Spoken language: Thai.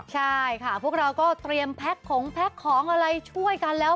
ใช่ค่ะพวกเราก็เตรียมแพ็คของแพ็คของอะไรช่วยกันแล้ว